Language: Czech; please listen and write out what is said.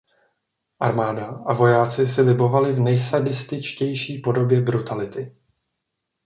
Armáda a vojáci si libovali v nejsadističtější podobě brutality.